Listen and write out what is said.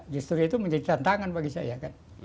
justru itu menjadi tantangan bagi saya kan